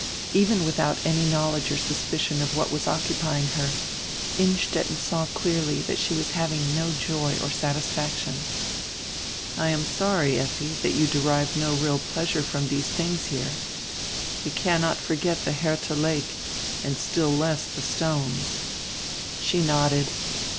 Even widiout any knowledge or suspicion of what was occupying her, Innstetten saw clearly diat she was having no joy or satisfaction. "I am sorry, Effi, diat you derive no real pleasure from diese tilings here. You cannot for get die Hertha Lake, and still less die stones." She nodded.